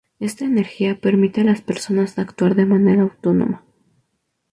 Esta energía permite a las personas actuar de manera autónoma.